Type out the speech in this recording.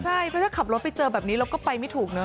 ใช่เพราะถ้าขับรถไปเจอแบบนี้เราก็ไปไม่ถูกเนอ